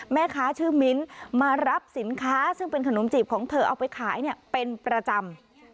แม่ค้าชื่อมิ้นมารับสินค้าซึ่งเป็นขนมจีบของเธอเอาไปขายเป็นประจำ